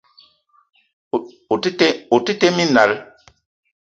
O te tee minal.